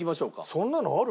そんなのある？